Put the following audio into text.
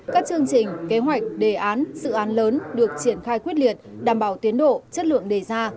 các chương trình kế hoạch đề án dự án lớn được triển khai quyết liệt đảm bảo tiến độ chất lượng đề ra